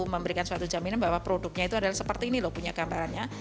memberikan suatu jaminan bahwa produknya itu adalah seperti ini loh punya gambarannya